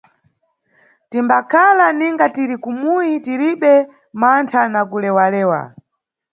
Timbakhala ninga tiri kumuyi, tiribe mantha na kulewalewa.